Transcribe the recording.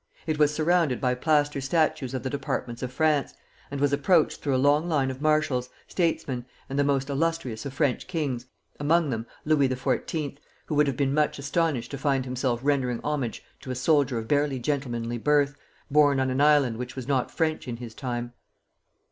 It was surrounded by plaster statues of the departments of France, and was approached through a long line of marshals, statesmen, and the most illustrious of French kings, among them Louis XIV., who would have been much astonished to find himself rendering homage to a soldier of barely gentlemanly birth, born on an island which was not French in his time.